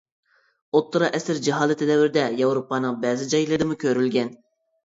ئوتتۇرا ئەسىر جاھالىتى دەۋرىدە ياۋروپانىڭ بەزى جايلىرىدىمۇ كۆرۈلگەن.